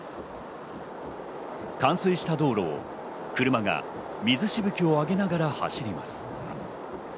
冠水した道路を車が水しぶきを上げながら走ります。